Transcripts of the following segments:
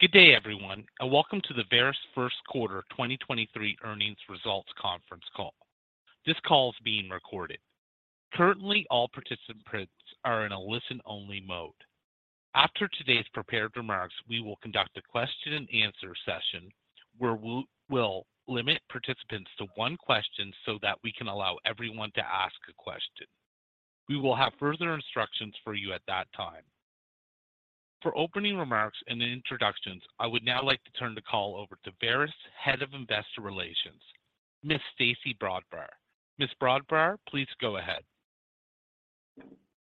Good day, everyone. Welcome to the Verisk First Quarter 2023 Earnings Results Conference Call. This call is being recorded. Currently, all participants are in a listen-only mode. After today's prepared remarks, we will conduct a question and answer session where we'll limit participants to one question so that we can allow everyone to ask a question. We will have further instructions for you at that time. For opening remarks and introductions, I would now like to turn the call over to Verisk's Head of Investor Relations, Ms. Stacey Brodbar. Ms. Brodbar, please go ahead.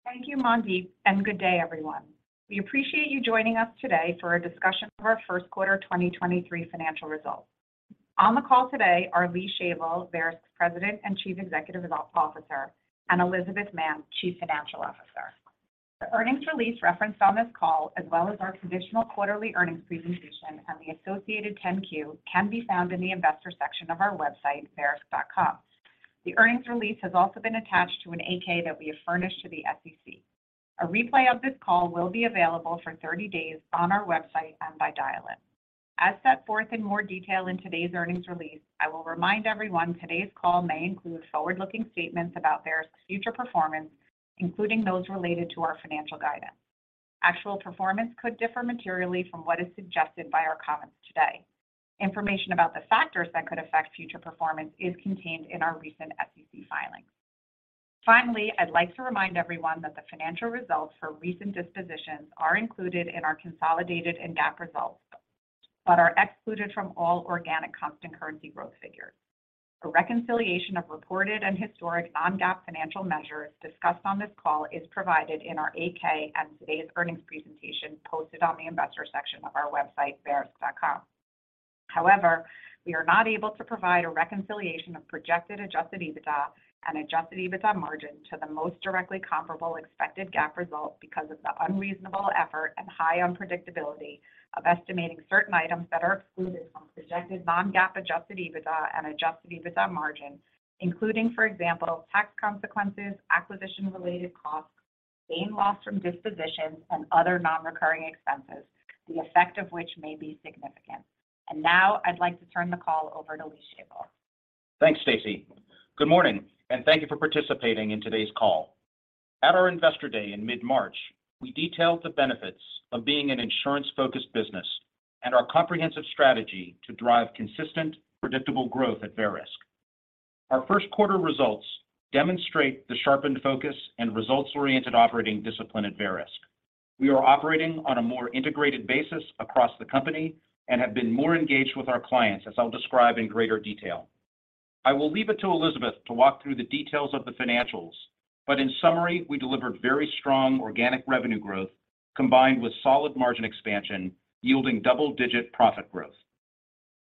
Thank you, Mandeep. Good day, everyone. We appreciate you joining us today for a discussion of our first quarter 2023 financial results. On the call today are Lee Shavel, President and Chief Executive Officer, and Elizabeth Mann, Chief Financial Officer. The earnings release referenced on this call, as well as our traditional quarterly earnings presentation and the associated 10-Q, can be found in the investors section of our website, verisk.com. The earnings release has also been attached to an 8-K that we have furnished to the SEC. A replay of this call will be available for 30 days on our website and by dial-in. As set forth in more detail in today's earnings release, I will remind everyone today's call may include forward-looking statements about Verisk's future performance, including those related to our financial guidance. Actual performance could differ materially from what is suggested by our comments today. Information about the factors that could affect future performance is contained in our recent SEC filings. Finally, I'd like to remind everyone that the financial results for recent dispositions are included in our consolidated and GAAP results, but are excluded from all organic constant currency growth figures. A reconciliation of reported and historic non-GAAP financial measures discussed on this call is provided in our 8-K and today's earnings presentation posted on the investor section of our website, verisk.com. However, we are not able to provide a reconciliation of projected adjusted EBITDA and adjusted EBITDA margin to the most directly comparable expected GAAP result because of the unreasonable effort and high unpredictability of estimating certain items that are excluded from projected non-GAAP adjusted EBITDA and adjusted EBITDA margin, including, for example, tax consequences, acquisition-related costs, gain/loss from dispositions, and other non-recurring expenses, the effect of which may be significant. Now I'd like to turn the call over to Lee Shavel. Thanks, Stacey. Good morning. Thank you for participating in today's call. At our Investor Day in mid-March, we detailed the benefits of being an insurance-focused business and our comprehensive strategy to drive consistent, predictable growth at Verisk. Our first quarter results demonstrate the sharpened focus and results-oriented operating discipline at Verisk. We are operating on a more integrated basis across the company and have been more engaged with our clients, as I'll describe in greater detail. I will leave it to Elizabeth to walk through the details of the financials, but in summary, we delivered very strong organic revenue growth combined with solid margin expansion, yielding double-digit profit growth.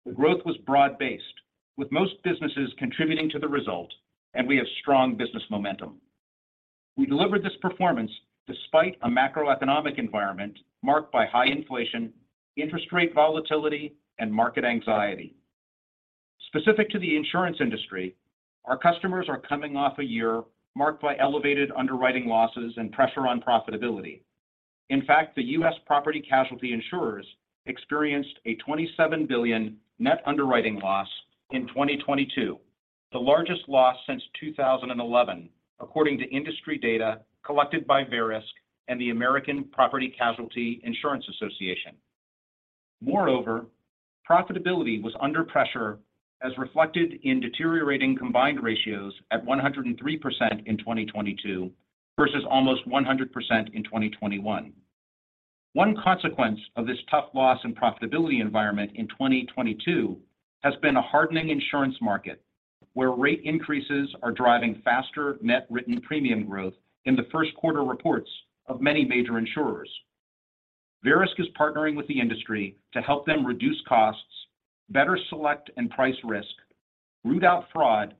The growth was broad-based, with most businesses contributing to the result, and we have strong business momentum. We delivered this performance despite a macroeconomic environment marked by high inflation, interest rate volatility, and market anxiety. Specific to the insurance industry, our customers are coming off a year marked by elevated underwriting losses and pressure on profitability. The U.S. property casualty insurers experienced a $27 billion net underwriting loss in 2022, the largest loss since 2011, according to industry data collected by Verisk and the American Property Casualty Insurance Association. Profitability was under pressure as reflected in deteriorating combined ratios at 103% in 2022 versus almost 100% in 2021. One consequence of this tough loss and profitability environment in 2022 has been a hardening insurance market where rate increases are driving faster net written premium growth in the first quarter reports of many major insurers. Verisk is partnering with the industry to help them reduce costs, better select and price risk, root out fraud,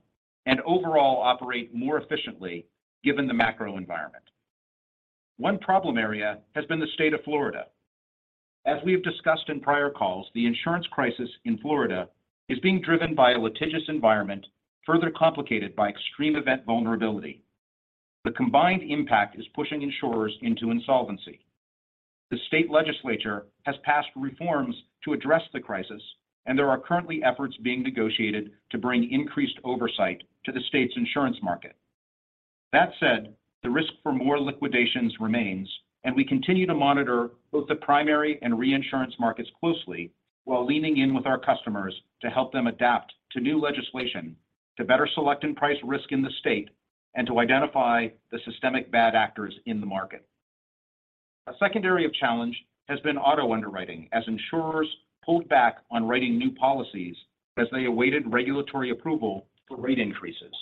and overall operate more efficiently given the macro environment. One problem area has been the state of Florida. As we have discussed in prior calls, the insurance crisis in Florida is being driven by a litigious environment, further complicated by extreme event vulnerability. The combined impact is pushing insurers into insolvency. The state legislature has passed reforms to address the crisis, and there are currently efforts being negotiated to bring increased oversight to the state's insurance market. That said, the risk for more liquidations remains, and we continue to monitor both the primary and reinsurance markets closely while leaning in with our customers to help them adapt to new legislation to better select and price risk in the state and to identify the systemic bad actors in the market. A secondary challenge has been auto underwriting as insurers pulled back on writing new policies as they awaited regulatory approval for rate increases.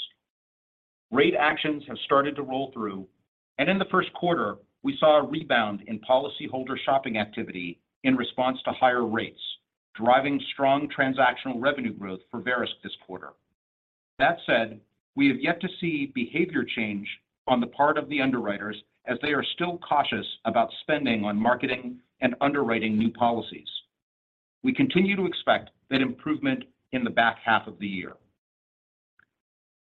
Rate actions have started to roll through, in the first quarter, we saw a rebound in policyholder shopping activity in response to higher rates, driving strong transactional revenue growth for Verisk this quarter. That said, we have yet to see behavior change on the part of the underwriters as they are still cautious about spending on marketing and underwriting new policies. We continue to expect that improvement in the back half of the year.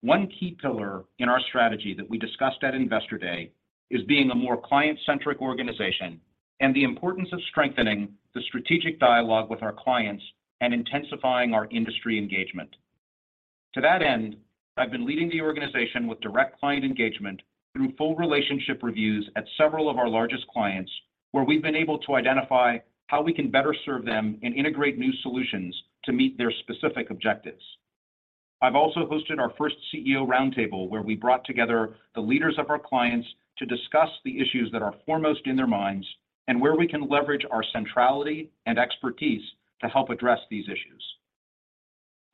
One key pillar in our strategy that we discussed at Investor Day is being a more client-centric organization and the importance of strengthening the strategic dialogue with our clients and intensifying our industry engagement. To that end, I've been leading the organization with direct client engagement through full relationship reviews at several of our largest clients, where we've been able to identify how we can better serve them and integrate new solutions to meet their specific objectives. I've also hosted our first CEO roundtable, where we brought together the leaders of our clients to discuss the issues that are foremost in their minds and where we can leverage our centrality and expertise to help address these issues.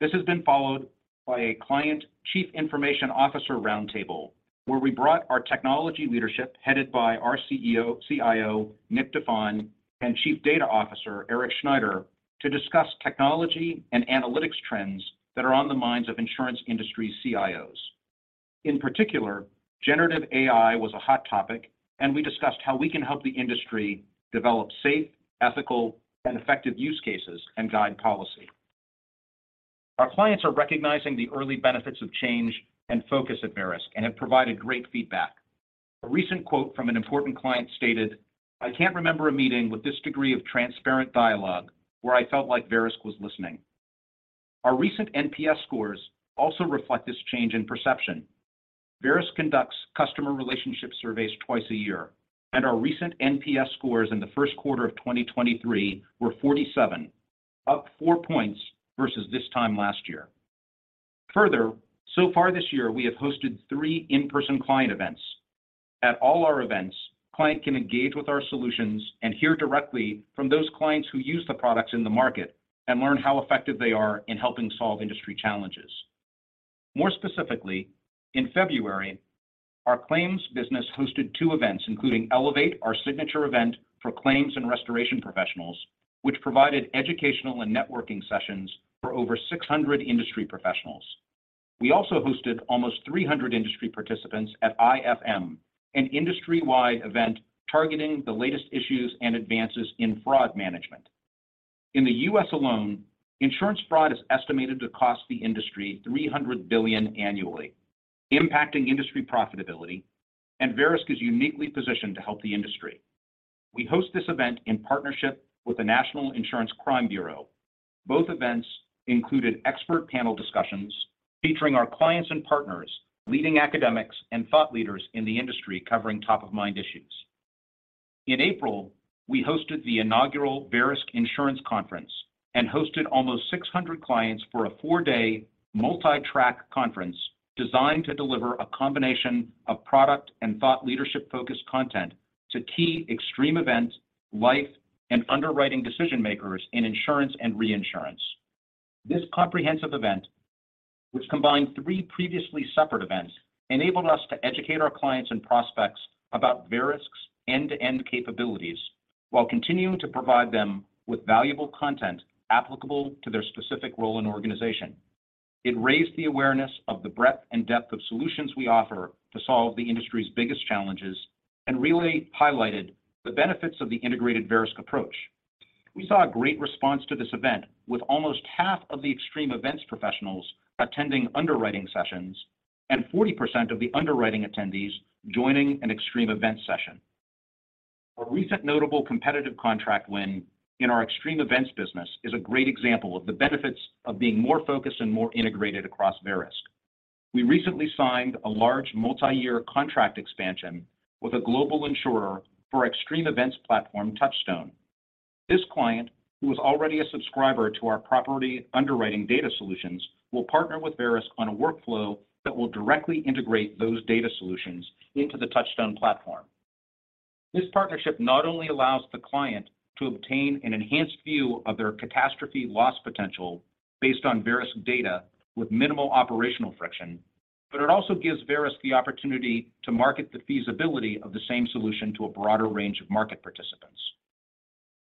This has been followed by a client Chief Information Officer roundtable, where we brought our technology leadership, headed by our CIO, Nick Daffan, and Chief Data Officer, Eric Schneider, to discuss technology and analytics trends that are on the minds of insurance industry CIOs. In particular, generative AI was a hot topic, and we discussed how we can help the industry develop safe, ethical, and effective use cases and guide policy. Our clients are recognizing the early benefits of change and focus at Verisk and have provided great feedback. A recent quote from an important client stated, "I can't remember a meeting with this degree of transparent dialogue where I felt like Verisk was listening." Our recent NPS scores also reflect this change in perception. Verisk conducts customer relationship surveys twice a year, and our recent NPS scores in the first quarter of 2023 were 47, up four points versus this time last year. Further, so far this year, we have hosted 3 in-person client events. At all our events, clients can engage with our solutions and hear directly from those clients who use the products in the market and learn how effective they are in helping solve industry challenges. More specifically, in February, our claims business hosted two events, including Elevate, our signature event for claims and restoration professionals, which provided educational and networking sessions for over 600 industry professionals. We also hosted almost 300 industry participants at IFM, an industry-wide event targeting the latest issues and advances in fraud management. In the U.S. alone, insurance fraud is estimated to cost the industry $300 billion annually, impacting industry profitability, and Verisk is uniquely positioned to help the industry. We host this event in partnership with the National Insurance Crime Bureau. Both events included expert panel discussions featuring our clients and partners, leading academics and thought leaders in the industry covering top-of-mind issues. In April, we hosted the inaugural Verisk Insurance Conference and hosted almost 600 clients for a four-day multi-track conference designed to deliver a combination of product and thought leadership-focused content to key extreme event, life, and underwriting decision-makers in insurance and reinsurance. This comprehensive event, which combined three previously separate events, enabled us to educate our clients and prospects about Verisk's end-to-end capabilities while continuing to provide them with valuable content applicable to their specific role and organization. It raised the awareness of the breadth and depth of solutions we offer to solve the industry's biggest challenges and really highlighted the benefits of the integrated Verisk approach. We saw a great response to this event with almost half of the extreme events professionals attending underwriting sessions and 40% of the underwriting attendees joining an extreme event session. A recent notable competitive contract win in our Extreme Events business is a great example of the benefits of being more focused and more integrated across Verisk. We recently signed a large multi-year contract expansion with a global insurer for our Extreme Events platform, Touchstone. This client, who was already a subscriber to our property underwriting data solutions, will partner with Verisk on a workflow that will directly integrate those data solutions into the Touchstone platform. This partnership not only allows the client to obtain an enhanced view of their catastrophe loss potential based on Verisk data with minimal operational friction, but it also gives Verisk the opportunity to market the feasibility of the same solution to a broader range of market participants.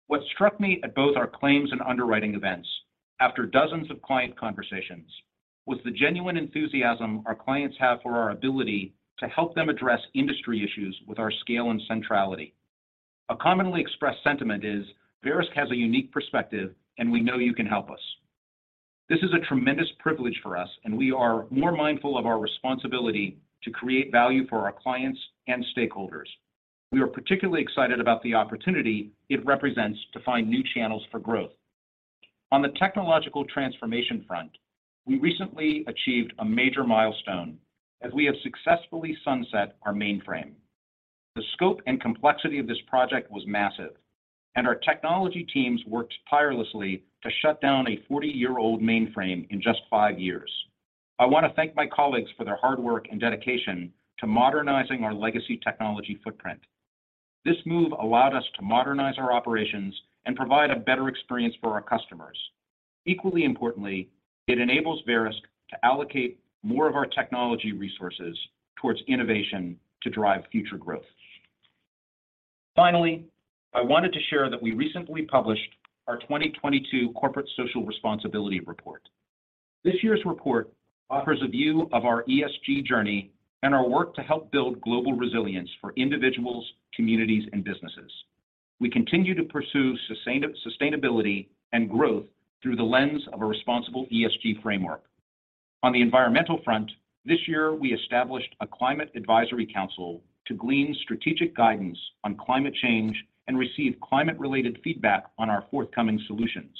What struck me at both our claims and underwriting events, after dozens of client conversations, was the genuine enthusiasm our clients have for our ability to help them address industry issues with our scale and centrality. A commonly expressed sentiment is, "Verisk has a unique perspective, and we know you can help us." This is a tremendous privilege for us, and we are more mindful of our responsibility to create value for our clients and stakeholders. We are particularly excited about the opportunity it represents to find new channels for growth. On the technological transformation front, we recently achieved a major milestone as we have successfully sunset our mainframe. The scope and complexity of this project was massive, and our technology teams worked tirelessly to shut down a 40-year-old mainframe in just five years. I want to thank my colleagues for their hard work and dedication to modernizing our legacy technology footprint. This move allowed us to modernize our operations and provide a better experience for our customers. Equally importantly, it enables Verisk to allocate more of our technology resources towards innovation to drive future growth. I wanted to share that we recently published our 2022 Corporate Social Responsibility Report. This year's report offers a view of our ESG journey and our work to help build global resilience for individuals, communities, and businesses. We continue to pursue sustainability and growth through the lens of a responsible ESG framework. On the environmental front, this year, we established a climate advisory council to glean strategic guidance on climate change and receive climate-related feedback on our forthcoming solutions.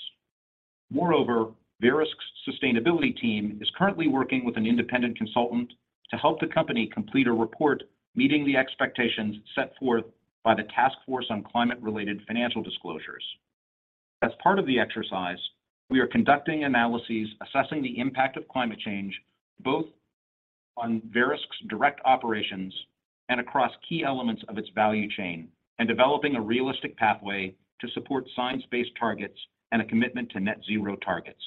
Verisk's sustainability team is currently working with an independent consultant to help the company complete a report meeting the expectations set forth by the Task Force on Climate-related Financial Disclosures. As part of the exercise, we are conducting analyses assessing the impact of climate change, both on Verisk's direct operations and across key elements of its value chain, and developing a realistic pathway to support science-based targets and a commitment to net zero targets.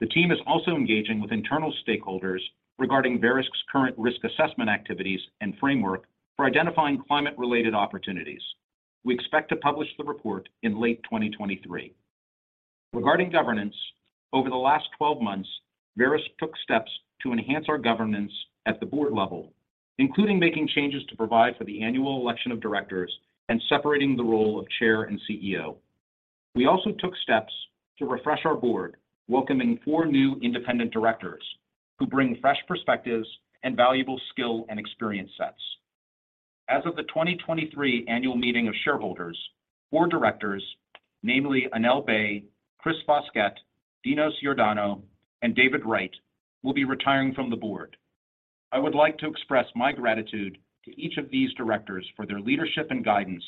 The team is also engaging with internal stakeholders regarding Verisk's current risk assessment activities and framework for identifying climate-related opportunities. We expect to publish the report in late 2023. Regarding governance, over the last 12 months, Verisk took steps to enhance our governance at the board level, including making changes to provide for the annual election of directors and separating the role of chair and CEO. We also took steps to refresh our board, welcoming four new independent directors who bring fresh perspectives and valuable skill and experience sets. As of the 2023 annual meeting of shareholders, four directors, namely Anell Bay, Chris Foskett, Constantine Iordanou, and David Wright, will be retiring from the board. I would like to express my gratitude to each of these directors for their leadership and guidance,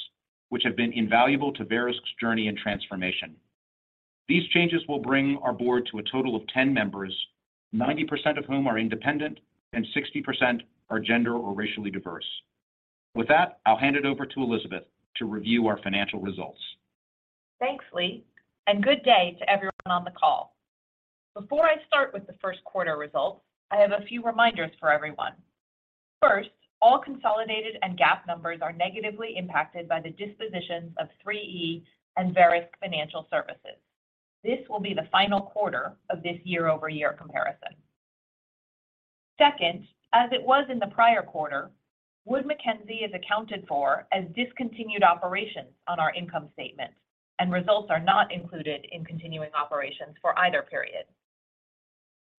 which have been invaluable to Verisk's journey and transformation. These changes will bring our board to a total of 10 members, 90% of whom are independent and 60% are gender or racially diverse. With that, I'll hand it over to Elizabeth to review our financial results. Thanks, Lee, and good day to everyone on the call. Before I start with the first quarter results, I have a few reminders for everyone. First, all consolidated and GAAP numbers are negatively impacted by the dispositions of 3E and Verisk Financial Services. This will be the final quarter of this year-over-year comparison. Second, as it was in the prior quarter, Wood Mackenzie is accounted for as discontinued operations on our income statement, and results are not included in continuing operations for either period.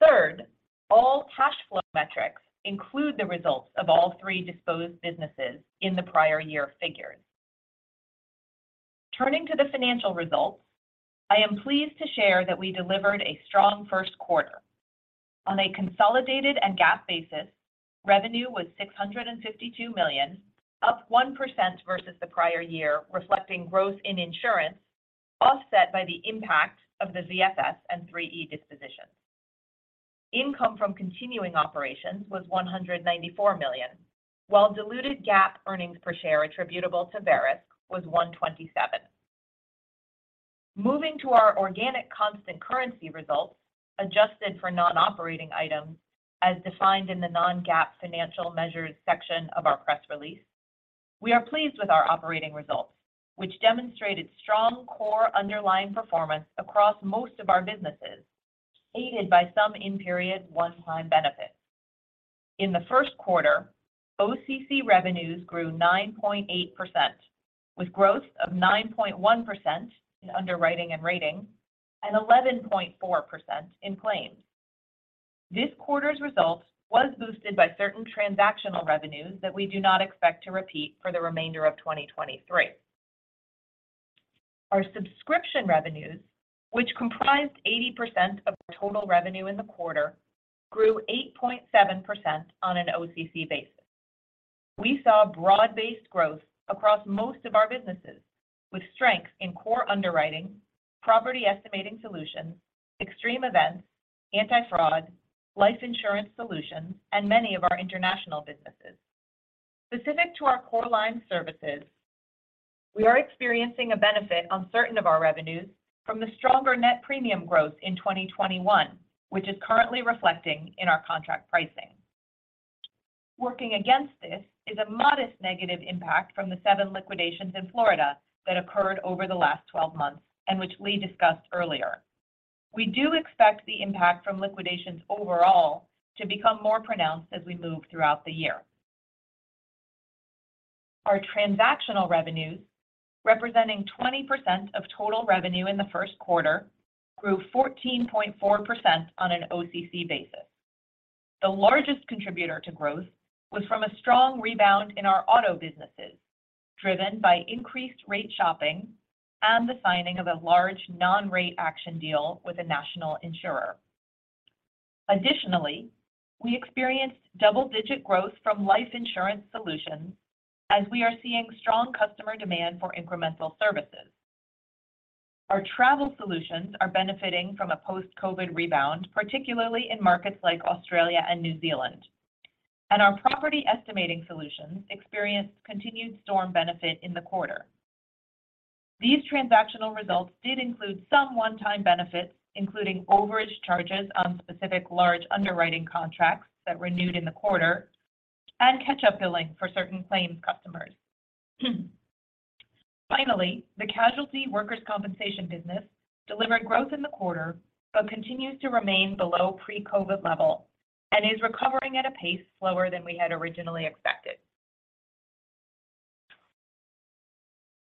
Third, all cash flow metrics include the results of all three disposed businesses in the prior year figures. Turning to the financial results, I am pleased to share that we delivered a strong first quarter. On a consolidated and GAAP basis, revenue was $652 million, up 1% versus the prior year, reflecting growth in insurance offset by the impact of the VFS and 3E dispositions. Income from continuing operations was $194 million, while diluted GAAP earnings per share attributable to Verisk was $1.27. Moving to our organic constant currency results, adjusted for non-operating items as defined in the non-GAAP financial measures section of our press release, we are pleased with our operating results, which demonstrated strong core underlying performance across most of our businesses, aided by some in-period one-time benefits. In the first quarter, OCC revenues grew 9.8%, with growth of 9.1% in underwriting and rating and 11.4% in claims. This quarter's results was boosted by certain transactional revenues that we do not expect to repeat for the remainder of 2023. Our subscription revenues, which comprised 80% of total revenue in the quarter, grew 8.7% on an OCC basis. We saw broad-based growth across most of our businesses, with strength in core underwriting, property estimating solutions, extreme events, anti-fraud, life insurance solutions, and many of our international businesses. Specific to our core line services, we are experiencing a benefit on certain of our revenues from the stronger net premium growth in 2021, which is currently reflecting in our contract pricing. Working against this is a modest negative impact from the seven liquidations in Florida that occurred over the last 12 months and which Lee discussed earlier. We do expect the impact from liquidations overall to become more pronounced as we move throughout the year. Our transactional revenues, representing 20% of total revenue in the first quarter, grew 14.4% on an OCC basis. The largest contributor to growth was from a strong rebound in our auto businesses, driven by increased rate shopping and the signing of a large non-rate action deal with a national insurer. Additionally, we experienced double-digit growth from life insurance solutions as we are seeing strong customer demand for incremental services. Our travel solutions are benefiting from a post-COVID rebound, particularly in markets like Australia and New Zealand. Our property estimating solutions experienced continued storm benefit in the quarter. These transactional results did include some one-time benefits, including overage charges on specific large underwriting contracts that renewed in the quarter and catch-up billing for certain claims customers. Finally, the casualty workers' compensation business delivered growth in the quarter but continues to remain below pre-COVID level and is recovering at a pace slower than we had originally expected.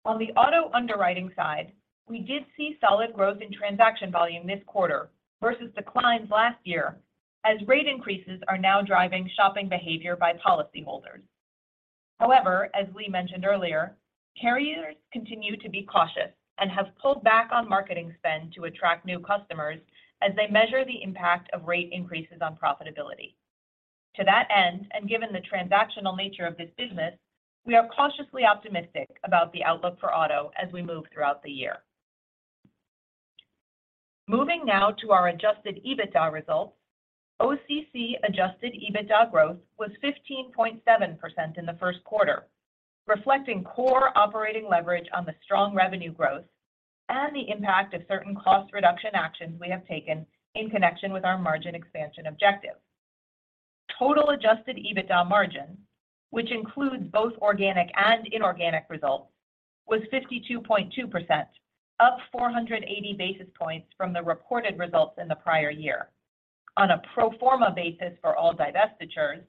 On the auto underwriting side, we did see solid growth in transaction volume this quarter versus declines last year as rate increases are now driving shopping behavior by policyholders. However, as Lee mentioned earlier, carriers continue to be cautious and have pulled back on marketing spend to attract new customers as they measure the impact of rate increases on profitability. To that end, and given the transactional nature of this business, we are cautiously optimistic about the outlook for auto as we move throughout the year. Moving now to our adjusted EBITDA results, OCC adjusted EBITDA growth was 15.7% in the first quarter, reflecting core operating leverage on the strong revenue growth and the impact of certain cost reduction actions we have taken in connection with our margin expansion objective. Total adjusted EBITDA margin, which includes both organic and inorganic results, was 52.2%, up 480 basis points from the reported results in the prior year. On a pro forma basis for all divestitures,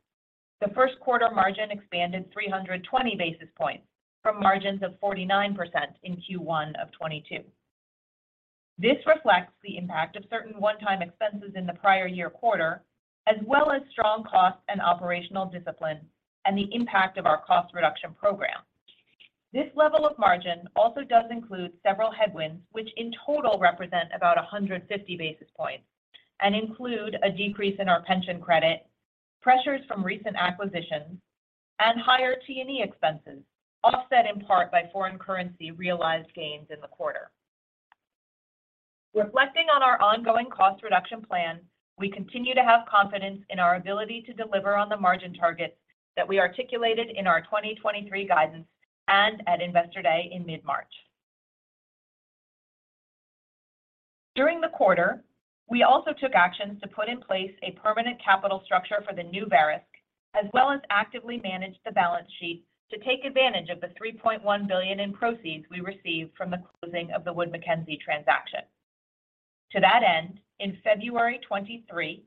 the first quarter margin expanded 320 basis points from margins of 49% in Q1 of 2022. This reflects the impact of certain one-time expenses in the prior year quarter, as well as strong cost and operational discipline and the impact of our cost reduction program. This level of margin also does include several headwinds, which in total represent about 150 basis points and include a decrease in our pension credit, pressures from recent acquisitions, and higher T&E expenses, offset in part by foreign currency realized gains in the quarter. Reflecting on our ongoing cost reduction plan, we continue to have confidence in our ability to deliver on the margin targets that we articulated in our 2023 guidance and at Investor Day in mid-March. During the quarter, we also took actions to put in place a permanent capital structure for the new Verisk, as well as actively manage the balance sheet to take advantage of the $3.1 billion in proceeds we received from the closing of the Wood Mackenzie transaction. In February 2023,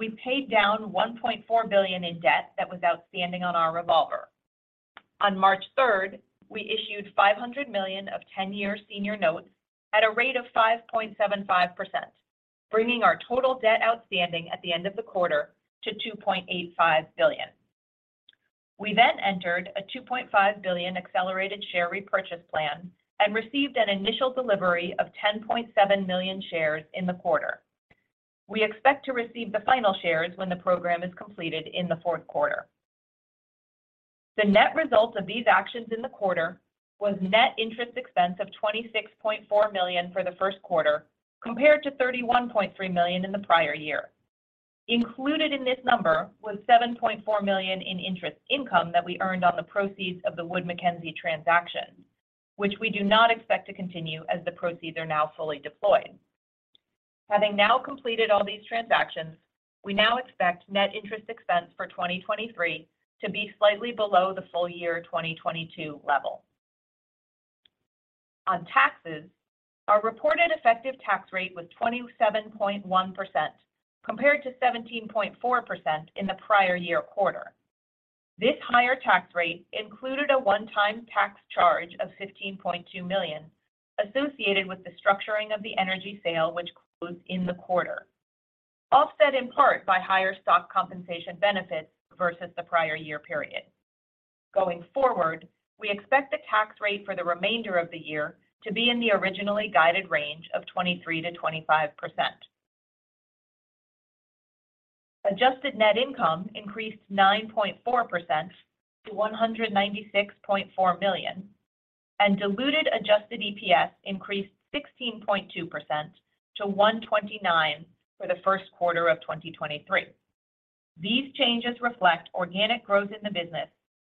we paid down $1.4 billion in debt that was outstanding on our revolver. On March third, we issued $500 million of 10-year senior notes at a rate of 5.75%, bringing our total debt outstanding at the end of the quarter to $2.85 billion. We entered a $2.5 billion accelerated share repurchase plan and received an initial delivery of 10.7 million shares in the quarter. We expect to receive the final shares when the program is completed in the fourth quarter. The net result of these actions in the quarter was net interest expense of $26.4 million for the first quarter, compared to $31.3 million in the prior year. Included in this number was $7.4 million in interest income that we earned on the proceeds of the Wood Mackenzie transaction, which we do not expect to continue as the proceeds are now fully deployed. Having now completed all these transactions, we now expect net interest expense for 2023 to be slightly below the full year 2022 level. On taxes, our reported effective tax rate was 27.1% compared to 17.4% in the prior year quarter. This higher tax rate included a one-time tax charge of $15.2 million associated with the structuring of the energy sale, which closed in the quarter, offset in part by higher stock compensation benefits versus the prior year period. Going forward, we expect the tax rate for the remainder of the year to be in the originally guided range of 23%-25%. Adjusted net income increased 9.4% to $196.4 million, diluted adjusted EPS increased 16.2% to $1.29 for the first quarter of 2023. These changes reflect organic growth in the business,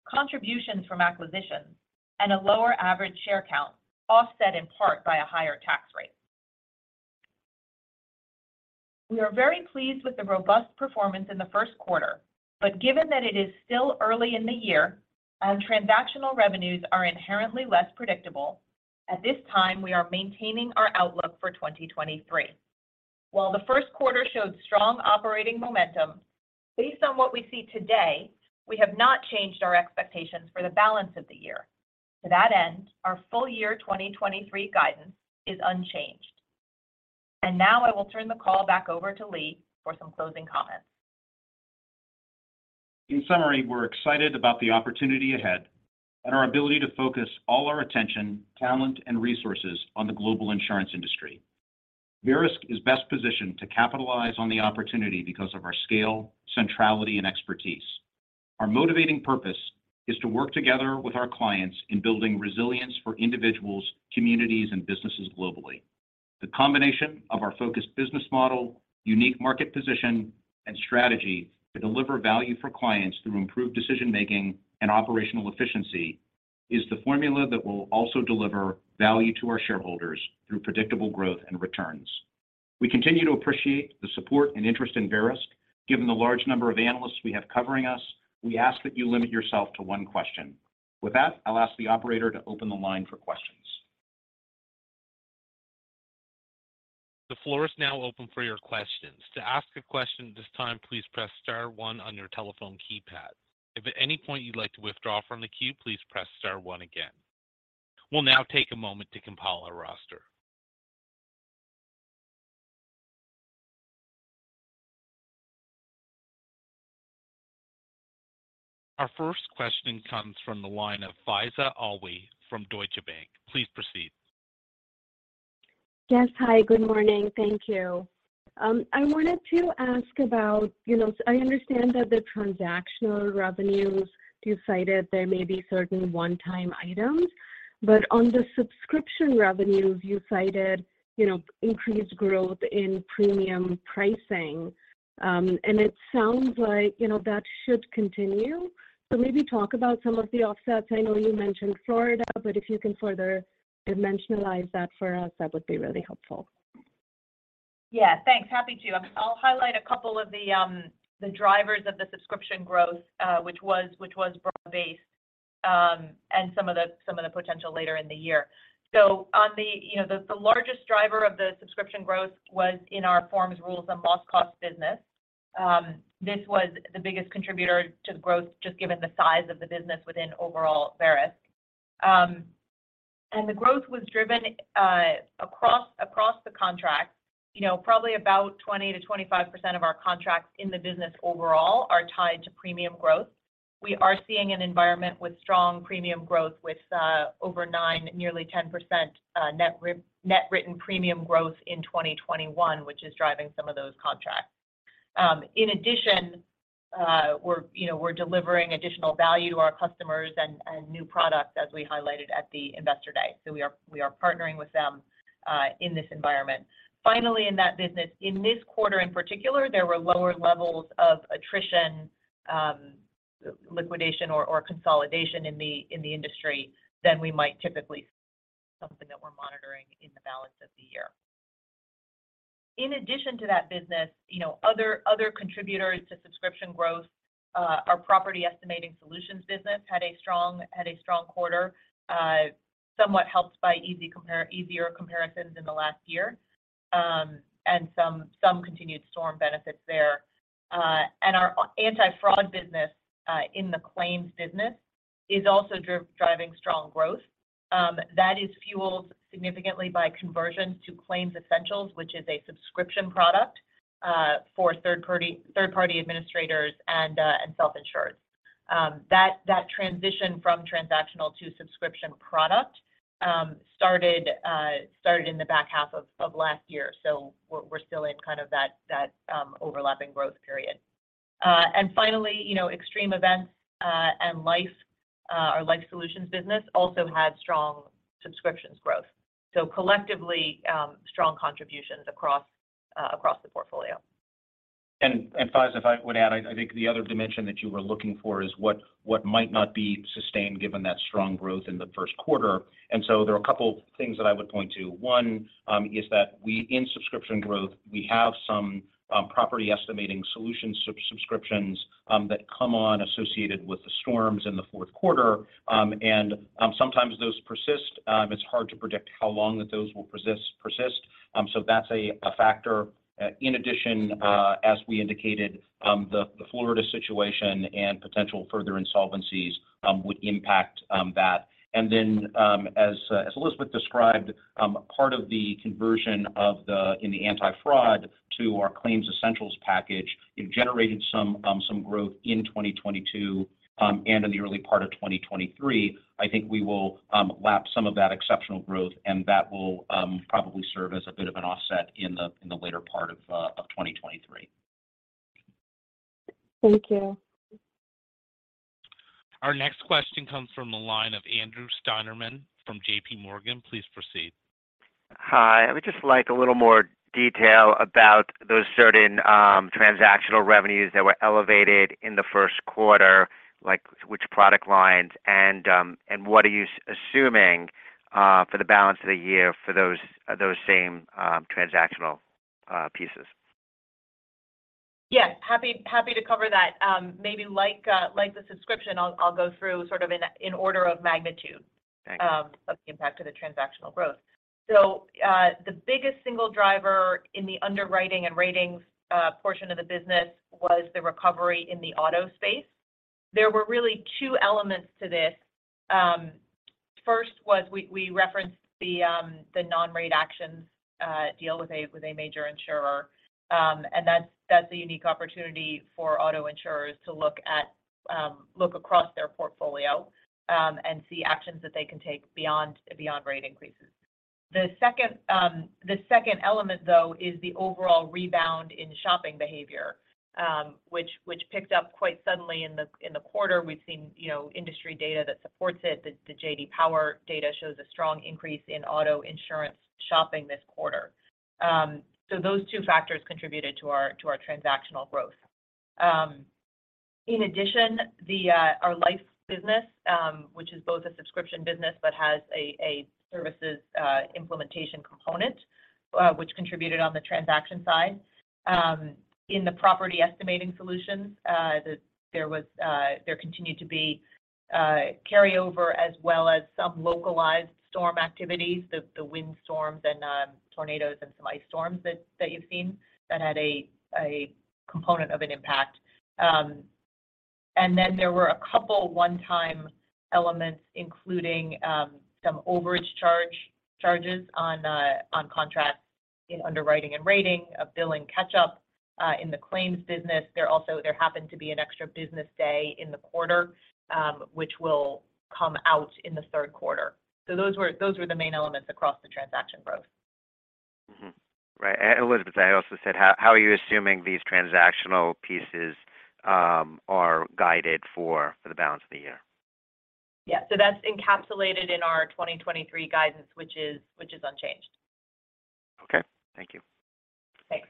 contributions from acquisitions, and a lower average share count, offset in part by a higher tax rate. We are very pleased with the robust performance in the first quarter, but given that it is still early in the year and transactional revenues are inherently less predictable, at this time, we are maintaining our outlook for 2023. While the first quarter showed strong operating momentum, based on what we see today, we have not changed our expectations for the balance of the year. To that end, our full year 2023 guidance is unchanged. Now I will turn the call back over to Lee for some closing comments. In summary, we're excited about the opportunity ahead and our ability to focus all our attention, talent, and resources on the global insurance industry. Verisk is best positioned to capitalize on the opportunity because of our scale, centrality, and expertise. Our motivating purpose is to work together with our clients in building resilience for individuals, communities, and businesses globally. The combination of our focused business model, unique market position, and strategy to deliver value for clients through improved decision-making and operational efficiency is the formula that will also deliver value to our shareholders through predictable growth and returns. We continue to appreciate the support and interest in Verisk. Given the large number of analysts we have covering us, we ask that you limit yourself to one question. I'll ask the operator to open the line for questions. The floor is now open for your questions. To ask a question at this time, please press star one on your telephone keypad. If at any point you'd like to withdraw from the queue, please press star one again. We'll now take a moment to compile our roster. Our first question comes from the line of Faiza Alwy from Deutsche Bank. Please proceed. Yes. Hi, good morning. Thank you. I wanted to ask about. You know, I understand that the transactional revenues you cited, there may be certain one-time items. On the subscription revenues, you cited, you know, increased growth in premium pricing. It sounds like, you know, that should continue. Maybe talk about some of the offsets. I know you mentioned Florida, but if you can further dimensionalize that for us, that would be really helpful. Yeah. Thanks. Happy to. I'll highlight a couple of the drivers of the subscription growth, which was broad-based, and some of the potential later in the year. You know, the largest driver of the subscription growth was in our forms, rules, and loss cost business. This was the biggest contributor to growth just given the size of the business within overall Verisk. The growth was driven across the contract. You know, probably about 20%-25% of our contracts in the business overall are tied to premium growth. We are seeing an environment with strong premium growth with over 9%, nearly 10% net written premium growth in 2021, which is driving some of those contracts. In addition, you know, we're delivering additional value to our customers and new products as we highlighted at the Investor Day. We are partnering with them in this environment. Finally, in that business, in this quarter in particular, there were lower levels of attrition, liquidation or consolidation in the industry than we might typically see, something that we're monitoring in the balance of the year. In addition to that business, you know, other contributors to subscription growth, our property estimating solutions business had a strong quarter, somewhat helped by easier comparisons in the last year, and some continued storm benefits there. And our anti-fraud business in the claims business is also driving strong growth. That is fueled significantly by conversions to Claims Essentials, which is a subscription product for third-party administrators and self-insured. That transition from transactional to subscription product started in the back half of last year. We're still in kind of that overlapping growth period. Finally, you know, Extreme Events and life, our life solutions business also had strong subscriptions growth. Collectively, strong contributions across the portfolio. Faiza, if I would add, I think the other dimension that you were looking for is what might not be sustained given that strong growth in the first quarter. There are a couple things that I would point to. One, is that in subscription growth, we have some property estimating solutions sub-subscriptions that come on associated with the storms in the fourth quarter. Sometimes those persist. It's hard to predict how long that those will persist, so that's a factor. In addition, as we indicated, the Florida situation and potential further insolvencies would impact that. As Elizabeth described, part of the conversion of the anti-fraud to our Claims Essentials package, it generated some growth in 2022, and in the early part of 2023. I think we will lap some of that exceptional growth, and that will probably serve as a bit of an offset in the later part of 2023. Thank you. Our next question comes from the line of Andrew Steinerman from J.P. Morgan. Please proceed. Hi. I would just like a little more detail about those certain transactional revenues that were elevated in the first quarter, like which product lines and what are you assuming for the balance of the year for those same transactional pieces? Yeah. Happy to cover that. maybe like the subscription, I'll go through sort of in order of magnitude- Okay of the impact of the transactional growth. The biggest single driver in the underwriting and ratings portion of the business was the recovery in the auto space. There were really two elements to this. First was we referenced the non-rate actions deal with a major insurer. That's a unique opportunity for auto insurers to look at look across their portfolio and see actions that they can take beyond rate increases. The second, the second element, though, is the overall rebound in shopping behavior, which picked up quite suddenly in the quarter. We've seen, you know, industry data that supports it. The J.D. Power data shows a strong increase in auto insurance shopping this quarter. Those two factors contributed to our transactional growth. In addition, our life business, which is both a subscription business but has a services implementation component, which contributed on the transaction side. In the property estimating solutions, there continued to be carryover as well as some localized storm activities, wind storms and tornadoes and some ice storms you've seen that had a component of an impact. Then there were a couple one-time elements, including some overage charges on contracts in underwriting and rating, a bill and catch-up in the claims business. There happened to be an extra business day in the quarter, which will come out in the third quarter. Those were the main elements across the transaction growth. Right. Elizabeth, I also said, how are you assuming these transactional pieces are guided for the balance of the year? Yeah. That's encapsulated in our 2023 guidance, which is unchanged. Okay. Thank you. Thanks.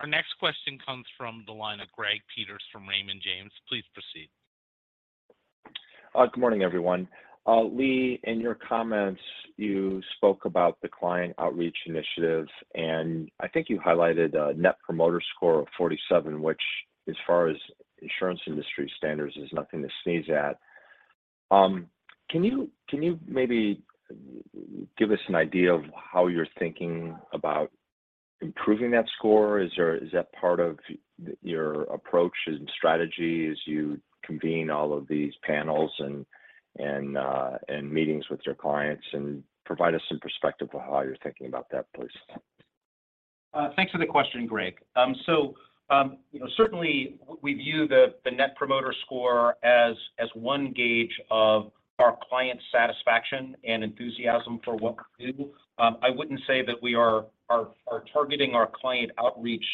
Our next question comes from the line of Greg Peters from Raymond James. Please proceed. Good morning, everyone. Lee, in your comments, you spoke about the client outreach initiatives, and I think you highlighted a net promoter score of 47, which as far as insurance industry standards is nothing to sneeze at. Can you maybe give us an idea of how you're thinking about improving that score? Is that part of your approach and strategy as you convene all of these panels and meetings with your clients? Provide us some perspective of how you're thinking about that, please. Thanks for the question, Greg. So, you know, certainly we view the Net Promoter Score as one gauge of our client satisfaction and enthusiasm for what we do. I wouldn't say that we are targeting our client outreach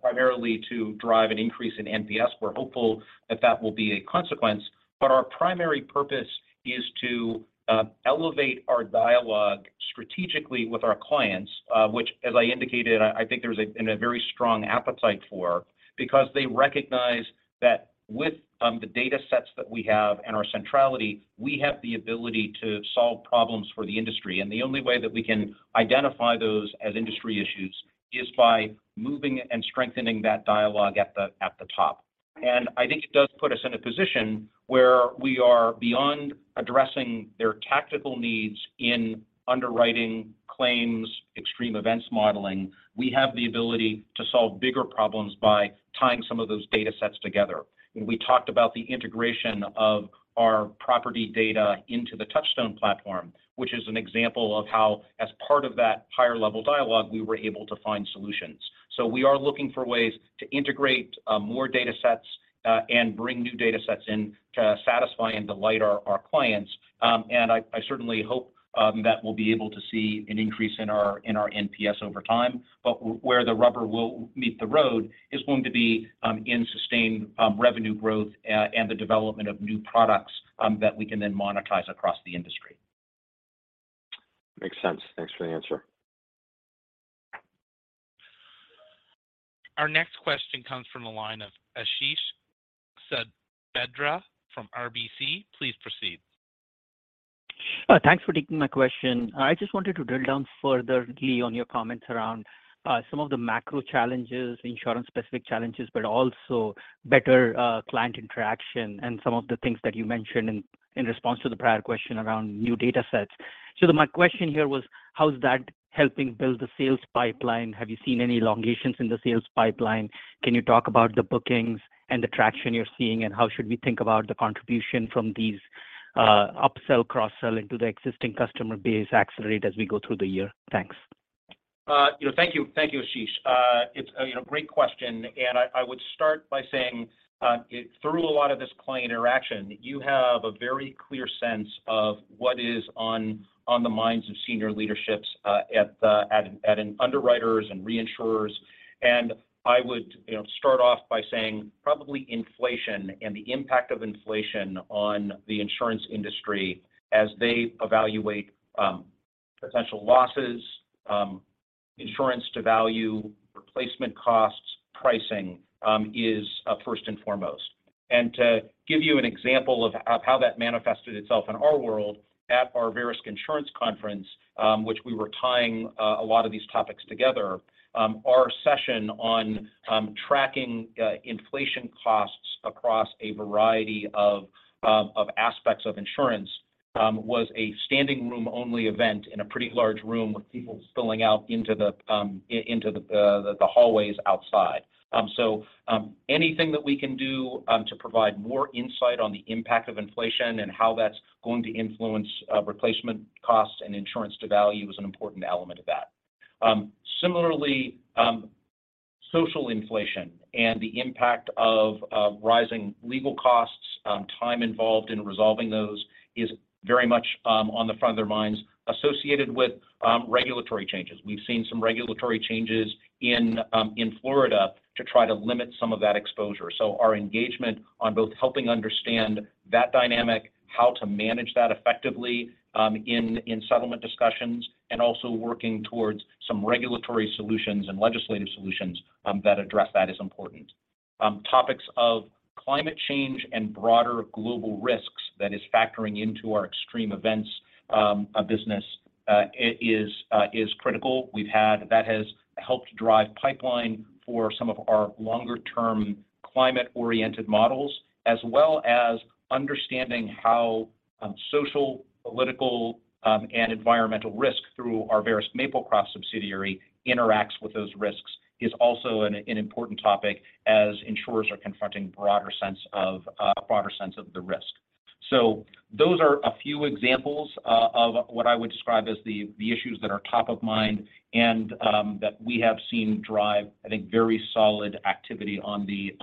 primarily to drive an increase in NPS. We're hopeful that that will be a consequence. Our primary purpose is to elevate our dialogue strategically with our clients, which as I indicated, I think there's a very strong appetite for because they recognize that with the data sets that we have and our centrality, we have the ability to solve problems for the industry. The only way that we can identify those as industry issues is by moving and strengthening that dialogue at the top. I think it does put us in a position where we are beyond addressing their tactical needs in underwriting claims, extreme events modeling. We have the ability to solve bigger problems by tying some of those data sets together. When we talked about the integration of our property data into the Touchstone platform, which is an example of how as part of that higher level dialogue, we were able to find solutions. We are looking for ways to integrate more data sets and bring new data sets in to satisfy and delight our clients. I certainly hope that we'll be able to see an increase in our, in our NPS over time. Where the rubber will meet the road is going to be in sustained revenue growth and the development of new products that we can then monetize across the industry. Makes sense. Thanks for the answer. Our next question comes from the line of Ashish Sabadra from RBC. Please proceed. Thanks for taking my question. I just wanted to drill down further, Lee, on your comments around some of the macro challenges, insurance-specific challenges, but also better client interaction and some of the things that you mentioned in response to the prior question around new data sets. My question here was, how is that helping build the sales pipeline? Have you seen any elongations in the sales pipeline? Can you talk about the bookings and the traction you're seeing, and how should we think about the contribution from these upsell, cross-sell into the existing customer base accelerate as we go through the year? Thanks. you know, thank you. Thank you, Ashish. It's a, you know, great question. I would start by saying, through a lot of this client interaction, you have a very clear sense of what is on the minds of senior leaderships, at the underwriters and reinsurers. I would, you know, start off by saying probably inflation and the impact of inflation on the insurance industry as they evaluate, potential losses, insurance to value, replacement costs, pricing, is first and foremost. To give you an example of how that manifested itself in our world at our Verisk Insurance Conference, which we were tying a lot of these topics together, our session on tracking inflation costs across a variety of aspects of insurance, was a standing room only event in a pretty large room with people spilling out into the hallways outside. Anything that we can do to provide more insight on the impact of inflation and how that's going to influence replacement costs and insurance to value is an important element of that. Similarly, social inflation and the impact of rising legal costs, time involved in resolving those is very much on the front of their minds associated with regulatory changes. We've seen some regulatory changes in Florida to try to limit some of that exposure. Our engagement on both helping understand that dynamic, how to manage that effectively, in settlement discussions, and also working towards some regulatory solutions and legislative solutions that address that is important. Topics of climate change and broader global risks that is factoring into our extreme events business. It is critical. That has helped drive pipeline for some of our longer-term climate-oriented models, as well as understanding how social, political, and environmental risk through our various Maplecroft subsidiary interacts with those risks is also an important topic as insurers are confronting a broader sense of the risk. Those are a few examples of what I would describe as the issues that are top of mind and that we have seen drive, I think, very solid activity on the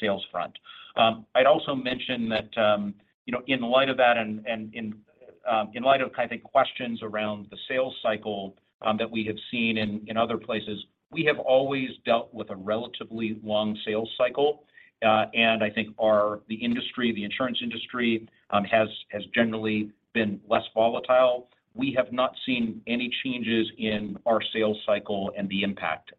sales front. I'd also mention that, you know, in light of that and in light of, I think, questions around the sales cycle, that we have seen in other places, we have always dealt with a relatively long sales cycle. I think the industry, the insurance industry, has generally been less volatile. We have not seen any changes in our sales cycle and the impact.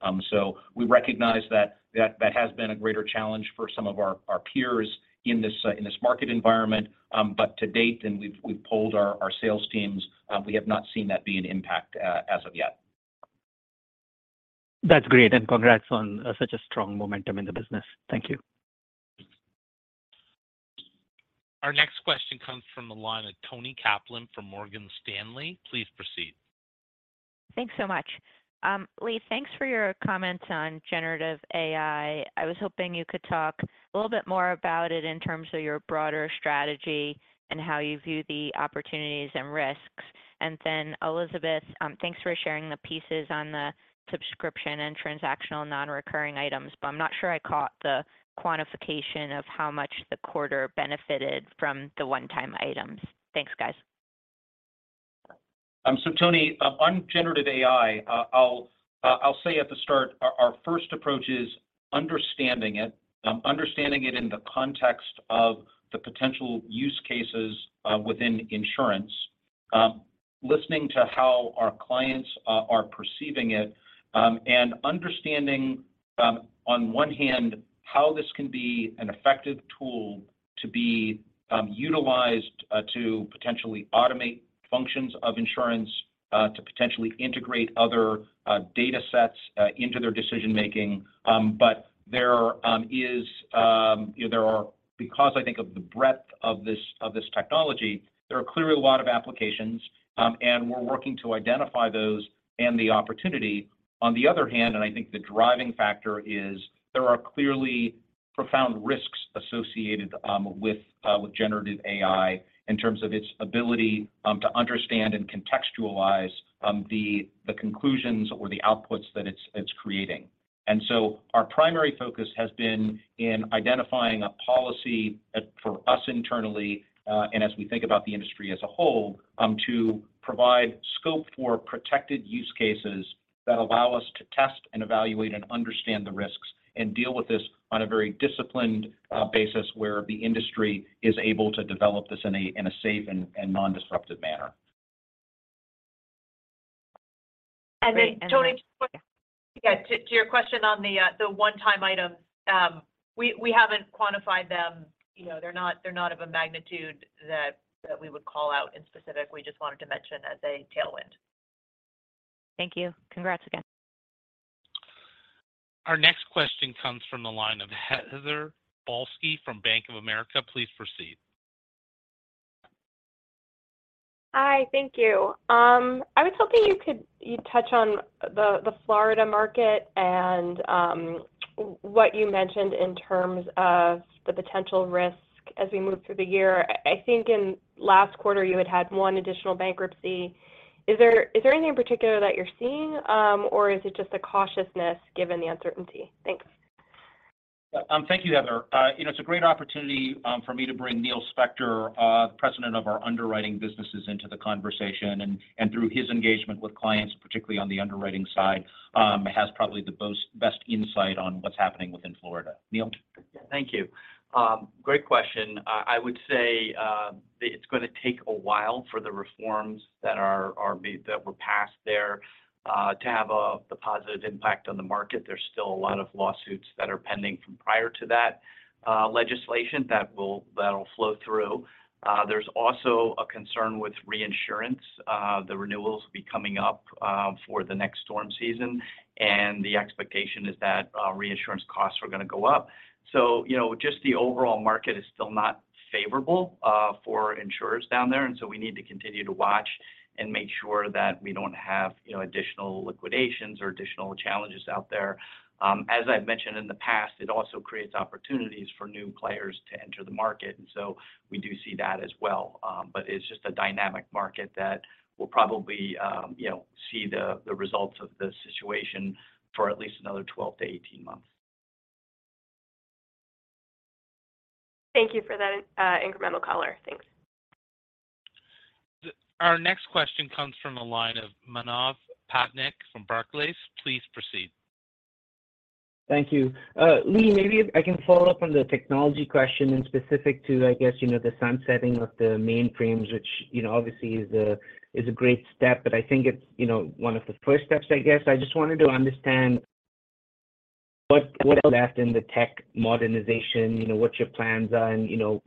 We recognize that that has been a greater challenge for some of our peers in this market environment. To date, and we've polled our sales teams, we have not seen that be an impact as of yet. That's great. Congrats on such a strong momentum in the business. Thank you. Our next question comes from the line of Toni Kaplan from Morgan Stanley. Please proceed. Thanks so much. Lee, thanks for your comments on generative AI. I was hoping you could talk a little bit more about it in terms of your broader strategy and how you view the opportunities and risks. Elizabeth, thanks for sharing the pieces on the subscription and transactional non-recurring items, but I'm not sure I caught the quantification of how much the quarter benefited from the one-time items. Thanks, guys. Toni, on generative AI, I'll say at the start, our first approach is understanding it, understanding it in the context of the potential use cases within insurance. Listening to how our clients are perceiving it, and understanding, on one hand, how this can be an effective tool to be utilized, to potentially automate functions of insurance, to potentially integrate other data sets into their decision making. There is... you know, there are Because I think of the breadth of this, of this technology, there are clearly a lot of applications, and we're working to identify those and the opportunity. I think the driving factor is there are clearly profound risks associated with generative AI in terms of its ability to understand and contextualize the conclusions or the outputs that it's creating. Our primary focus has been in identifying a policy for us internally, and as we think about the industry as a whole, to provide scope for protected use cases that allow us to test and evaluate and understand the risks and deal with this on a very disciplined basis where the industry is able to develop this in a safe and non-disruptive manner. Great. Toni, just quick, yeah, to your question on the one-time item. We haven't quantified them. You know, they're not of a magnitude that we would call out in specific. We just wanted to mention as a tailwind. Thank you. Congrats again. Our next question comes from the line of Heather Balsky from Bank of America. Please proceed. Hi, thank you. I was hoping you'd touch on the Florida market and what you mentioned in terms of the potential risk as we move through the year. I think in last quarter, you had one additional bankruptcy. Is there anything in particular that you're seeing or is it just a cautiousness given the uncertainty? Thanks. Thank you, Heather. You know, it's a great opportunity for me to bring Neil Spector, President of our Underwriting Businesses into the conversation. Through his engagement with clients, particularly on the underwriting side, has probably the best insight on what's happening within Florida. Neil? Thank you. Great question. I would say it's going to take a while for the reforms that were passed there to have the positive impact on the market. There's still a lot of lawsuits that are pending from prior to that legislation that will, that'll flow through. There's also a concern with reinsurance. The renewals will be coming up for the next storm season, and the expectation is that reinsurance costs are gong to go up. You know, just the overall market is still not favorable for insurers down there. We need to continue to watch and make sure that we don't have, you know, additional liquidations or additional challenges out there. As I've mentioned in the past, it also creates opportunities for new players to enter the market, we do see that as well. It's just a dynamic market that we'll probably, you know, see the results of the situation for at least another 12 months to 18 months. Thank you for that incremental color. Thanks. Our next question comes from the line of Manav Patnaik from Barclays. Please proceed. Thank you. Lee, maybe I can follow up on the technology question and specific to, I guess, you know, the sunsetting of the mainframes, which, you know, obviously is a great step, but I think it's, you know, one of the first steps, I guess. What else in the tech modernization, you know, what your plans are and, you know,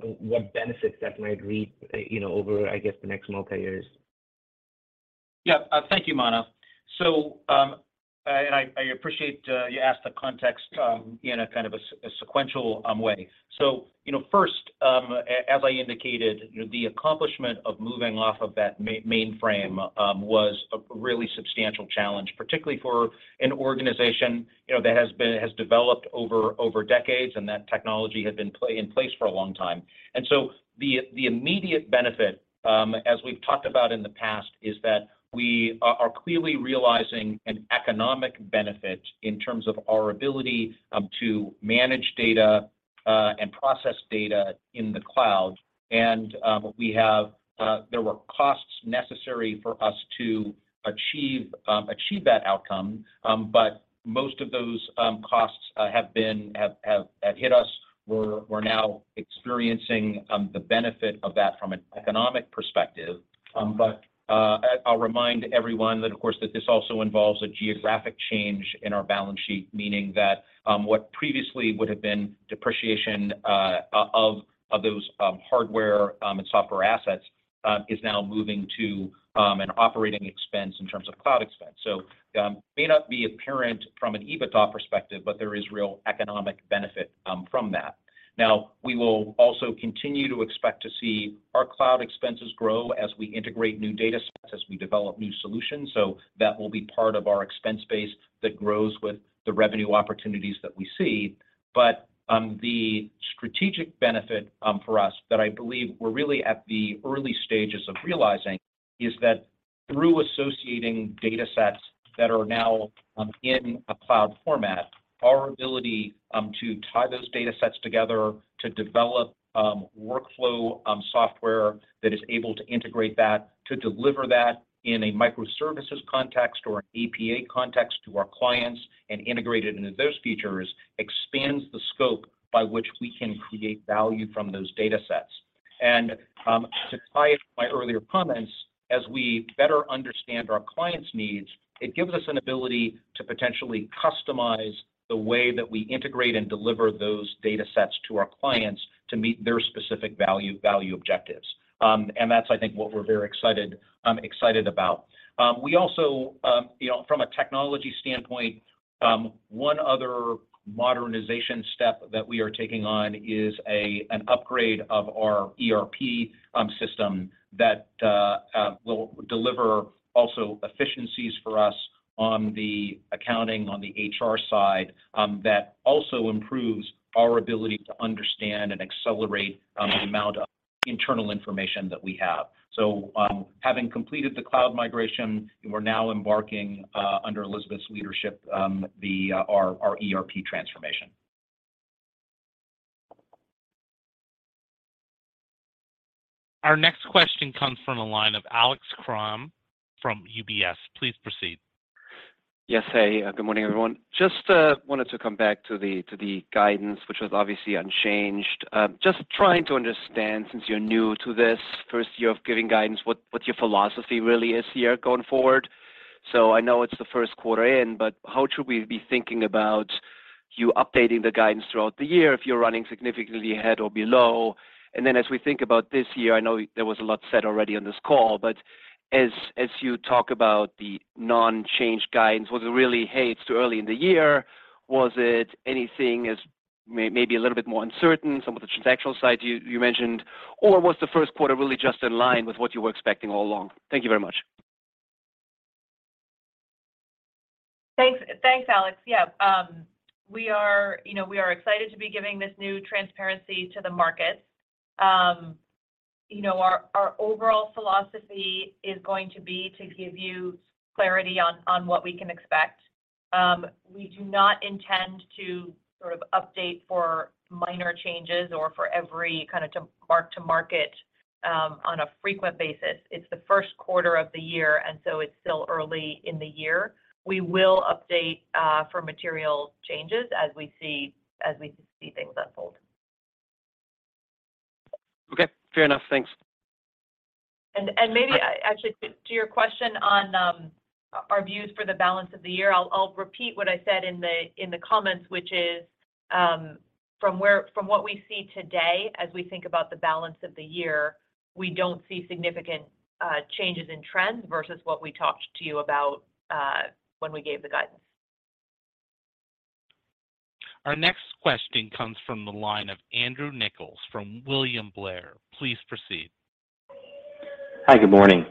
what benefits that might reap, you know, over, I guess, the next multiple years? Yeah. Thank you, Mano. I appreciate you asked the context in a kind of a sequential way. You know, first, as I indicated, you know, the accomplishment of moving off of that main frame was a really substantial challenge, particularly for an organization, you know, that has developed over decades, and that technology had been in place for a long time. The immediate benefit, as we've talked about in the past, is that we are clearly realizing an economic benefit in terms of our ability to manage data and process data in the cloud. We have. There were costs necessary for us to achieve that outcome. Most of those costs have been hit us. We're now experiencing the benefit of that from an economic perspective. I'll remind everyone that, of course, that this also involves a geographic change in our balance sheet, meaning that what previously would have been depreciation of those hardware and software assets is now moving to an operating expense in terms of cloud expense. May not be apparent from an EBITDA perspective, but there is real economic benefit from that. Now, we will also continue to expect to see our cloud expenses grow as we integrate new data sets, as we develop new solutions. That will be part of our expense base that grows with the revenue opportunities that we see. The strategic benefit for us that I believe we're really at the early stages of realizing is that through associating datasets that are now in a cloud format, our ability to tie those datasets together to develop workflow software that is able to integrate that, to deliver that in a microservices context or an API context to our clients and integrate it into those features expands the scope by which we can create value from those datasets. To tie it to my earlier comments, as we better understand our clients' needs, it gives us an ability to potentially customize the way that we integrate and deliver those datasets to our clients to meet their specific value objectives. And that's, I think, what we're very excited excited about. We also, you know, from a technology standpoint, one other modernization step that we are taking on is an upgrade of our ERP system that will deliver also efficiencies for us on the accounting, on the HR side, that also improves our ability to understand and accelerate the amount of internal information that we have. Having completed the cloud migration, we're now embarking under Elizabeth's leadership, our ERP transformation. Our next question comes from the line of Alex Kramm from UBS. Please proceed. Yes. Hey, good morning, everyone. Just wanted to come back to the guidance, which was obviously unchanged. Just trying to understand, since you're new to this first year of giving guidance, what your philosophy really is here going forward. I know it's the first quarter in, but how should we be thinking about you updating the guidance throughout the year if you're running significantly ahead or below? Then as we think about this year, I know there was a lot said already on this call, but as you talk about the non-change guidance, was it really, "Hey, it's too early in the year?" Was it anything as maybe a little bit more uncertain, some of the transactional side you mentioned, or was the first quarter really just in line with what you were expecting all along? Thank you very much. Thanks. Thanks, Alex. Yeah. We are, you know, we are excited to be giving this new transparency to the market. You know, our overall philosophy is going to be to give you clarity on what we can expect. We do not intend to sort of update for minor changes or for every kind of mark-to-market on a frequent basis. It's the first quarter of the year, and so it's still early in the year. We will update for material changes as we see things unfold. Okay. Fair enough. Thanks. maybe, actually to your question on our views for the balance of the year, I'll repeat what I said in the comments, which is, from what we see today as we think about the balance of the year, we don't see significant changes in trends versus what we talked to you about when we gave the guidance. Our next question comes from the line of Andrew Nicholas from William Blair. Please proceed. Hi, good morning.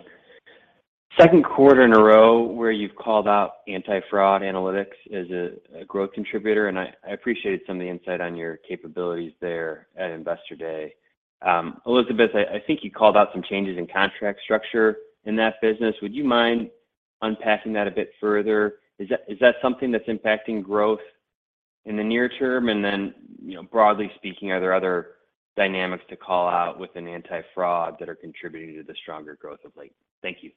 Second quarter in a row where you've called out anti-fraud analytics as a growth contributor, and I appreciated some of the insight on your capabilities there at Investor Day. Elizabeth, I think you called out some changes in contract structure in that business. Would you mind unpacking that a bit further? Is that something that's impacting growth in the near term? Broadly speaking, you know, are there other dynamics to call out within anti-fraud that are contributing to the stronger growth of late? Thank you.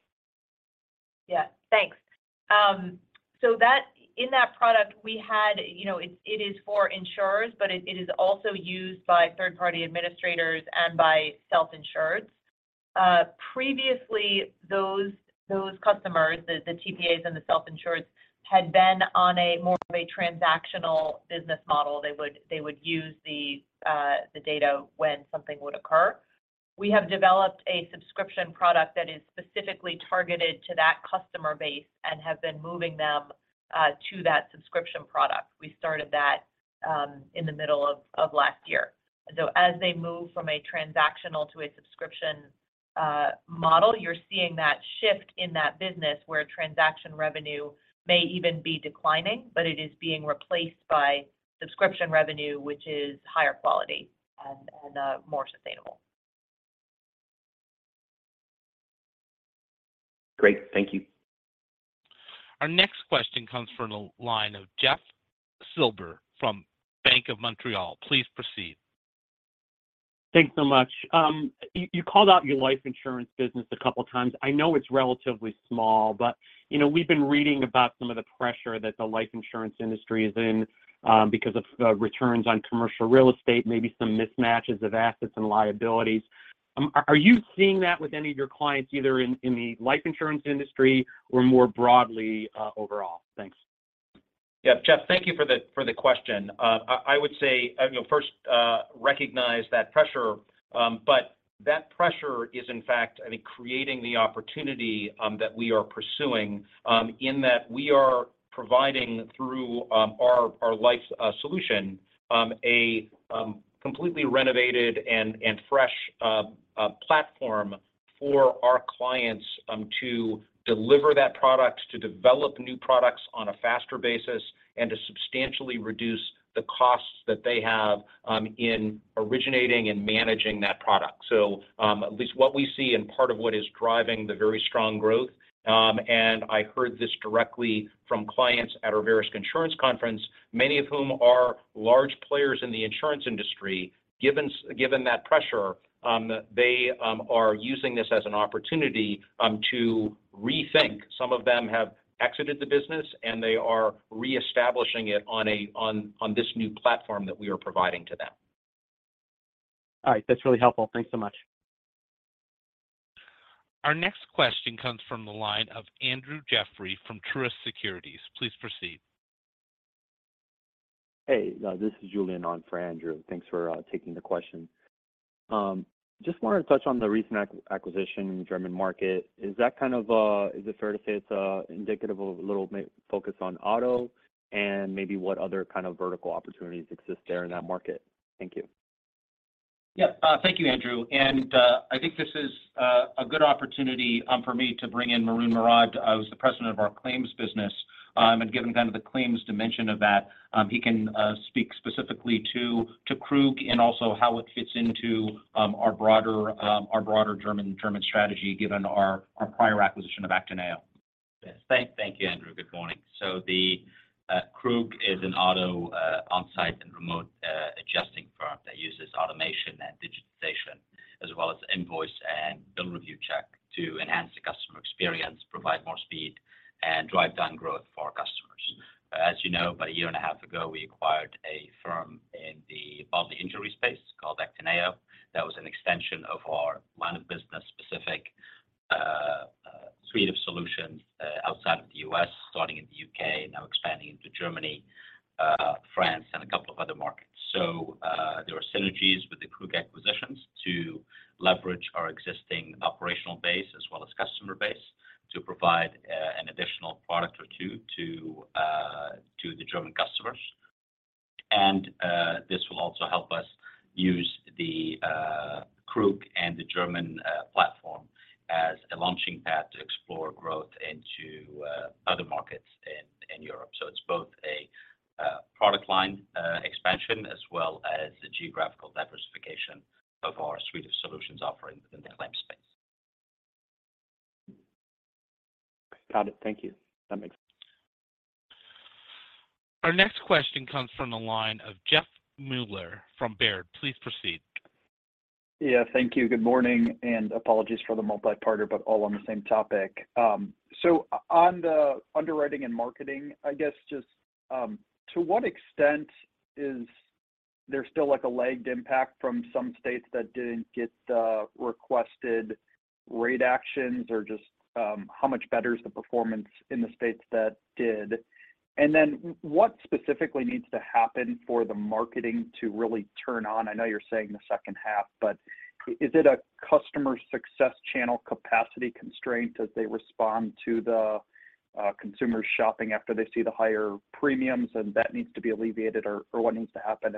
Thanks. In that product, we had. It is for insurers, but it is also used by third-party administrators and by self-insureds. Previously those customers, the TPAs and the self-insureds had been on a more of a transactional business model. They would use the data when something would occur. We have developed a subscription product that is specifically targeted to that customer base and have been moving them to that subscription product. We started that in the middle of last year. As they move from a transactional to a subscription model, you're seeing that shift in that business where transaction revenue may even be declining, but it is being replaced by subscription revenue, which is higher quality and more sustainable. Great. Thank you. Our next question comes from the line of Jeff Silber from Bank of Montreal. Please proceed. Thanks so much. You called out your life insurance business a couple times. I know it's relatively small, but, you know, we've been reading about some of the pressure that the life insurance industry is in, because of, returns on commercial real estate, maybe some mismatches of assets and liabilities. Are you seeing that with any of your clients, either in the life insurance industry or more broadly, overall? Thanks. Yeah. Jeff, thank you for the, for the question. I would say, you know, first, recognize that pressure. That pressure is in fact, I think, creating the opportunity that we are pursuing, in that we are providing through our life solution, a completely renovated and fresh platform for our clients to deliver that product, to develop new products on a faster basis, and to substantially reduce the costs that they have in originating and managing that product. At least what we see and part of what is driving the very strong growth, and I heard this directly from clients at our Verisk Insurance Conference, many of whom are large players in the insurance industry, given that pressure, they, are using this as an opportunity to rethink. Some of them have exited the business, and they are reestablishing it on this new platform that we are providing to them. All right. That's really helpful. Thanks so much. Our next question comes from the line of Andrew Jeffrey from Truist Securities. Please proceed. Hey, this is Julian on for Andrew. Thanks for taking the question. Just wanted to touch on the recent acquisition in the German market. Is it fair to say it's indicative of a little focus on auto, and maybe what other kind of vertical opportunities exist there in that market? Thank you. Yeah. Thank you, Andrew. I think this is a good opportunity for me to bring in Maroun Mourad, who's the President of our claims business, and given kind of the claims dimension of that, he can speak specifically to Krug and also how it fits into our broader German strategy given our prior acquisition of Actineo. Yes. Thank you, Andrew. Good morning. The Krug is an auto onsite and remote adjusting firm that uses automation and digitization as well as invoice and bill review check to enhance the customer experience, provide more speed, and drive down growth for our customers. As you know, about a year and a half ago, we acquired a firm in the bodily injury space called Actineo. That was an extension of our line of business specific suite of solutions outside of the U.S., starting in the U.K., now expanding into Germany, France, and a couple of other markets. There are synergies with the Krug acquisitions to leverage our existing operational base as well as customer base to provide an additional product or two to the German customers. This will also help us use the Krug and the German platform as a launching pad to explore growth into other markets in Europe. It's both a product line expansion as well as the geographical diversification of our suite of solutions offering within the claim space. Got it. Thank you. That makes sense. Our next question comes from the line of Jeff Meuler from Baird. Please proceed. Yeah. Thank you. Good morning, apologies for the multi-parted, but all on the same topic. On the underwriting and marketing, I guess just, to what extent is there still, like, a lagged impact from some states that didn't get the requested rate actions or just, how much better is the performance in the states that did? What specifically needs to happen for the marketing to really turn on? I know you're saying the second half, but is it a customer success channel capacity constraint as they respond to the consumer shopping after they see the higher premiums and that needs to be alleviated or what needs to happen?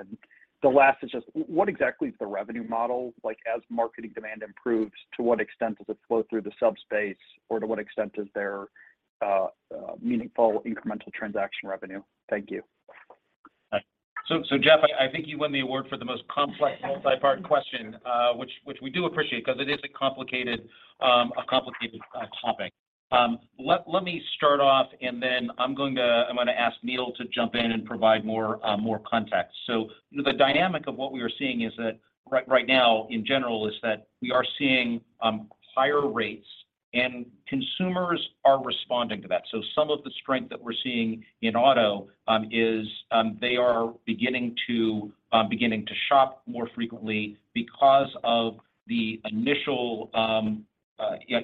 The last is just what exactly is the revenue model? Like, as marketing demand improves, to what extent does it flow through the subspace or to what extent is there, meaningful incremental transaction revenue? Thank you. Jeff, I think you win the award for the most complex multi-part question, which we do appreciate 'cause it is a complicated topic. Let me start off, and then I'm going to ask Neil to jump in and provide more context. The dynamic of what we are seeing is that right now in general is that we are seeing higher rates. And consumers are responding to that. Some of the strength that we're seeing in auto is, they are beginning to shop more frequently because of the initial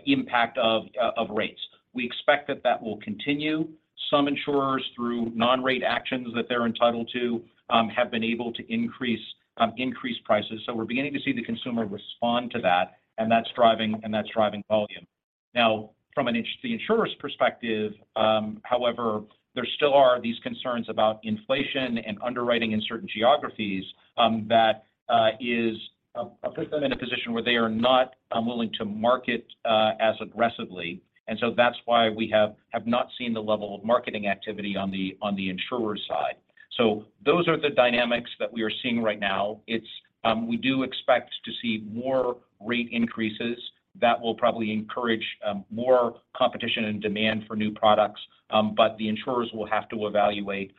impact of rates. We expect that that will continue. Some insurers, through non-rate actions that they're entitled to, have been able to increase prices. We're beginning to see the consumer respond to that, and that's driving volume. From the insurer's perspective, however, there still are these concerns about inflation and underwriting in certain geographies that is put them in a position where they are not willing to market as aggressively. That's why we have not seen the level of marketing activity on the insurer side. Those are the dynamics that we are seeing right now. It's. We do expect to see more rate increases that will probably encourage more competition and demand for new products. The insurers will have to evaluate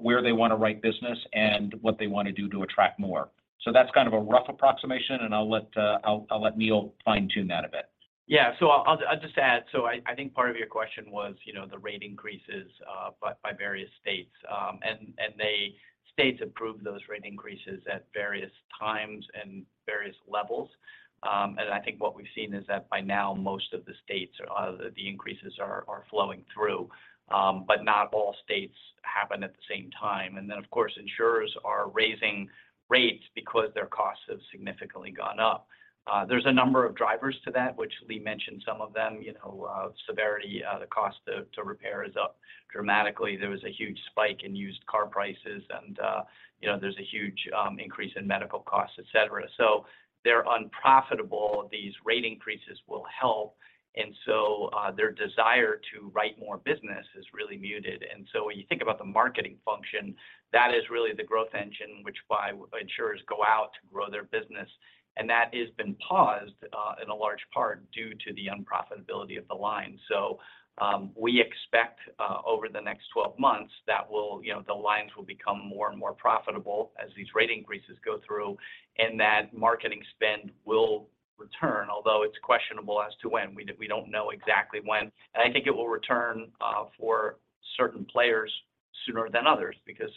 where they want to write business and what they want to do to attract more. That's kind of a rough approximation, I'll let Neil fine-tune that a bit. Yeah. I'll just add. I think part of your question was, you know, the rate increases by various states, and states approve those rate increases at various times and various levels. I think what we've seen is that by now most of the states are, the increases are flowing through, but not all states happen at the same time. Of course, insurers are raising rates because their costs have significantly gone up. There's a number of drivers to that, which Lee mentioned some of them, you know, severity, the cost to repair is up dramatically. There was a huge spike in used car prices and, you know, there's a huge increase in medical costs, et cetera. They're unprofitable. These rate increases will help. Their desire to write more business is really muted. When you think about the marketing function, that is really the growth engine, which by insurers go out to grow their business. That has been paused in a large part due to the unprofitability of the line. We expect over the next 12 months that, you know, the lines will become more and more profitable as these rate increases go through, and that marketing spend will return. Although it's questionable as to when, we don't know exactly when. I think it will return for certain players sooner than others because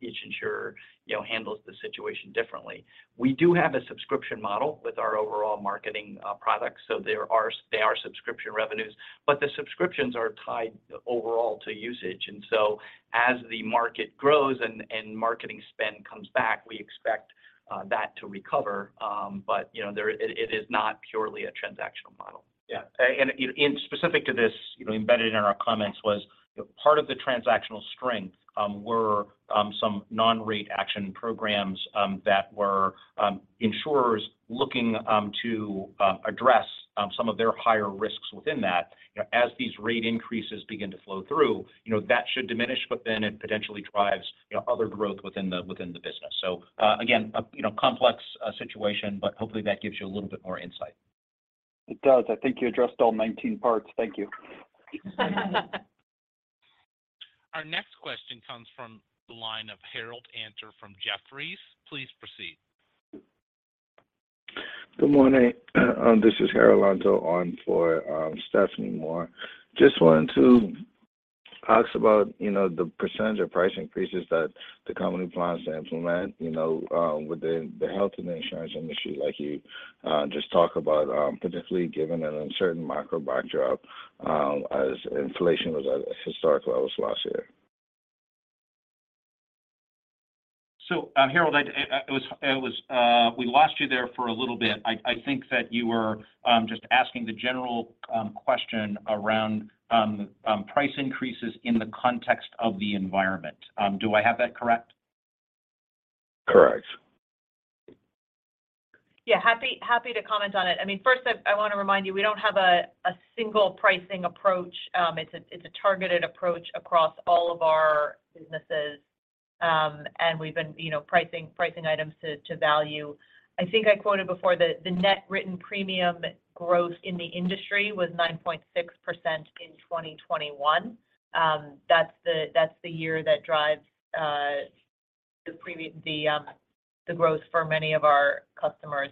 each insurer, you know, handles the situation differently. We do have a subscription model with our overall marketing products. There are subscription revenues, but the subscriptions are tied overall to usage. As the market grows and marketing spend comes back, we expect that to recover. You know, there it is not purely a transactional model. Yeah. Specific to this, you know, embedded in our comments was part of the transactional strength, were, some non-rate action programs, that were, insurers looking, to, address, some of their higher risks within that. You know, as these rate increases begin to flow through, you know, that should diminish, but then it potentially drives, you know, other growth within the, within the business. Again, a, you know, complex, situation, but hopefully that gives you a little bit more insight. It does. I think you addressed all 19 parts. Thank you. Our next question comes from the line of Harold Antor from Jefferies. Please proceed. Good morning. This is Harold Antor on for Stephanie Moore. Just wanted to ask about, you know, the % of price increases that the company plans to implement, you know, within the health and insurance industry. Like you just talked about, particularly given an uncertain macro backdrop, as inflation was at historic levels last year. Harold, it was, we lost you there for a little bit. I think that you were just asking the general question around price increases in the context of the environment. Do I have that correct? Correct. Yeah, happy to comment on it. I mean, first I want to remind you, we don't have a single pricing approach. It's a targeted approach across all of our businesses. We've been, you know, pricing items to value. I think I quoted before the net written premium growth in the industry was 9.6% in 2021. That's the year that drives the growth for many of our customers.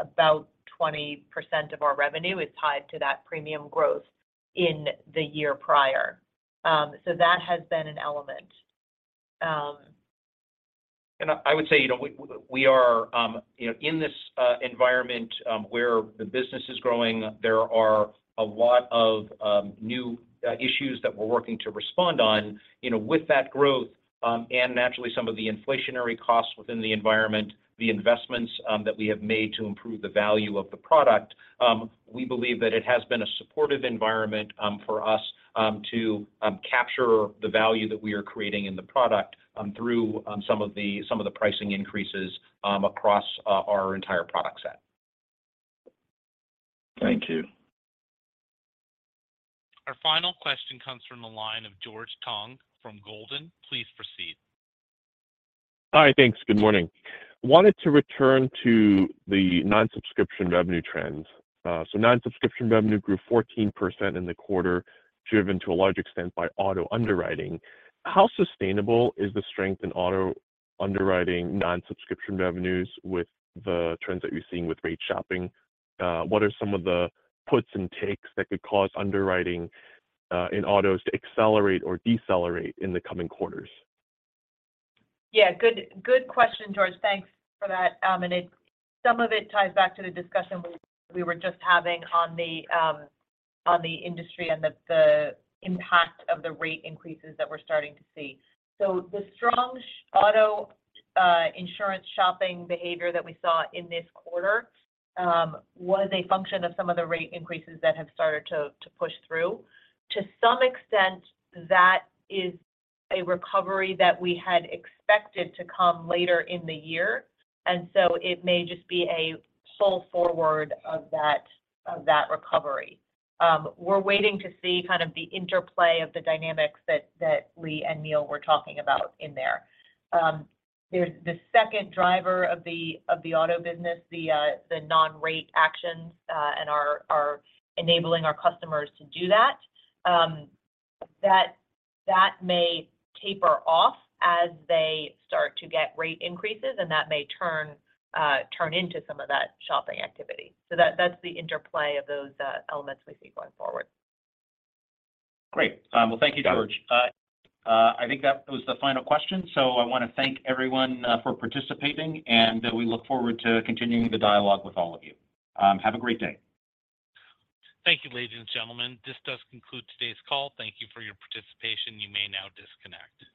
About 20% of our revenue is tied to that premium growth in the year prior. That has been an element. I would say, you know, we are, you know, in this environment, where the business is growing, there are a lot of new issues that we're working to respond on, you know, with that growth, and naturally some of the inflationary costs within the environment, the investments that we have made to improve the value of the product. We believe that it has been a supportive environment for us to capture the value that we are creating in the product through some of the pricing increases across our entire product set. Thank you. Our final question comes from the line of George Tong from Goldman Sachs. Please proceed. Hi. Thanks. Good morning. Wanted to return to the non-subscription revenue trends. Non-subscription revenue grew 14% in the quarter, driven to a large extent by auto underwriting. How sustainable is the strength in auto underwriting non-subscription revenues with the trends that you're seeing with rate shopping? What are some of the puts and takes that could cause underwriting, in autos to accelerate or decelerate in the coming quarters? Yeah, good question, George. Thanks for that. Some of it ties back to the discussion we were just having on the industry and the impact of the rate increases that we're starting to see. The strong auto insurance shopping behavior that we saw in this quarter was a function of some of the rate increases that have started to push through. To some extent, that is a recovery that we had expected to come later in the year, and so it may just be a pull forward of that recovery. We're waiting to see kind of the interplay of the dynamics that Lee and Neil were talking about in there. There's the second driver of the auto business, the non-rate actions, and are enabling our customers to do that. That may taper off as they start to get rate increases, and that may turn into some of that shopping activity. That's the interplay of those elements we see going forward. Great. Well, thank you, George. I think that was the final question, so I want to thank everyone, for participating, and we look forward to continuing the dialogue with all of you. Have a great day. Thank you, ladies and gentlemen. This does conclude today's call. Thank you for your participation. You may now disconnect.